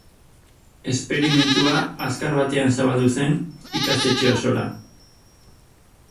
Esperimentua azkar batean zabaldu zen ikastetxe osora.